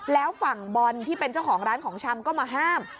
แล้วฝั่งบอลที่เป็นเจ้าของร้านของชำก็มาห้าม